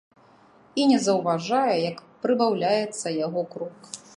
І не заўважае, як прыбаўляецца яго крок.